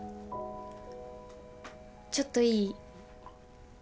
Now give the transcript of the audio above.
ちょっといい？